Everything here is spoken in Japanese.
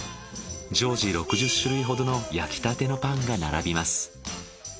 常時６０種類ほどの焼きたてのパンが並びます。